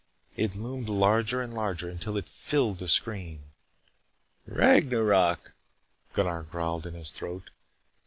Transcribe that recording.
It loomed larger and larger until it filled the screen. "Ragnarok," Gunnar growled in his throat.